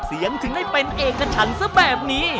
เสียงถึงได้เป็นเอกชันซะแบบนี้